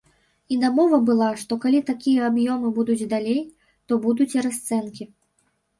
І дамова была, што калі такія аб'ёмы будуць далей, то будуць і расцэнкі.